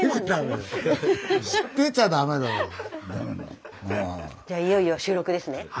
じゃいよいよ収録ですね。